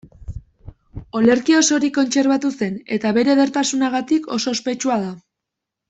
Olerkia osorik kontserbatu zen eta bere edertasunagatik oso ospetsua da.